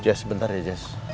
jess bentar ya jess